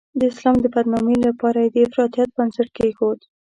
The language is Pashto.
د اسلام د بدنامۍ لپاره یې د افراطیت بنسټ کېښود.